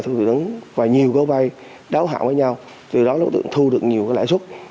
thu tiền đứng và nhiều gấu vay đáo hạm với nhau từ đó đối tượng thu được nhiều lãi xuất